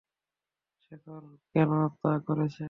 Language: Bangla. শেখর কেন তা করছে?